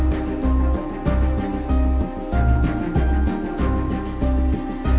yang ottoman berguna menggunakannya